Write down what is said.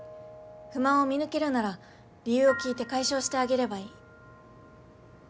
不満を見抜けるなら理由を聞いて解消してあげればいい。